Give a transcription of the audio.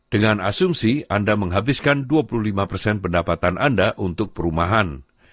dengan asumsi anda menghabiskan dua puluh lima pendapatan anda untuk perumahan